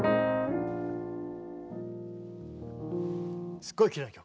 すっごいきれいな曲。